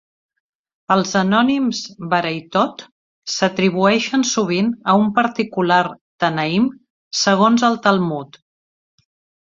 Els anònims "Baraitot" s'atribueixen sovint a un particular "Tanaim" segons el Talmud.